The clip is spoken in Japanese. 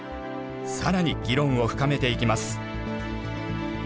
更に議論を深めていきます。